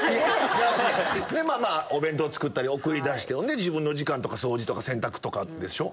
お弁当作ったり送り出して自分の時間とか掃除とか洗濯とかでしょ？